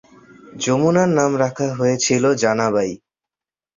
যমুনার নাম রাখা হয়েছিল জানা বাই।